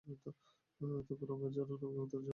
তখন অভয়াচরণের পুত্র জন্মে নাই।